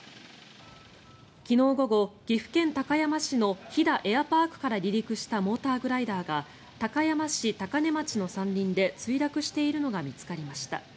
昨日午後、岐阜県高山市の飛騨エアパークから離陸したモーターグライダーが高山市高根町の山林で墜落しているのが見つかりました。